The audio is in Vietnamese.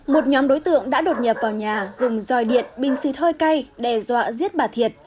một nhóm đối tượng đã đột nhập vào nhà dùng roi điện bình xịt hơi cay đe dọa giết bà thiệt